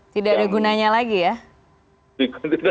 tidak ada gunanya lagi ya